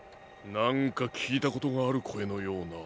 なんかきいたことがあるこえのような。